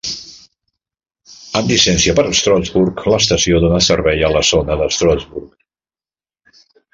Amb llicència per a Stroudsburg, l'estació dona servei a la zona de Stroudsburg.